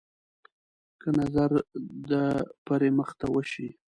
که نظر د پري مخ ته وشي.